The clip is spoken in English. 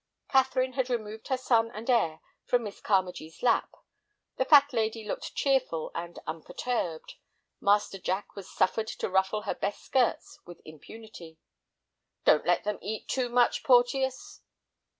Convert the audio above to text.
Catherine had removed her son and heir from Miss Carmagee's lap. The fat lady looked cheerful and unperturbed. Master Jack was suffered to ruffle her best skirts with impunity. "Don't let them eat too much, Porteus."